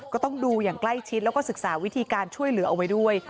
ก็ต้องดูอย่างใกล้ชิดแล้วก็ศึกษาวิธีการช่วยเหลือเอาไว้ด้วย